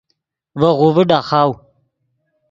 ڤے غوڤے ڈاخاؤ